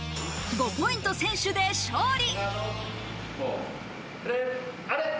５ポイント先取で勝利。